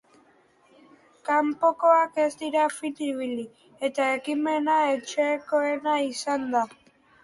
Kanpokoak ez dira fin ibili, eta ekimena etxekoena izan da.